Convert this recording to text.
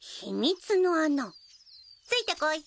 ついてこい。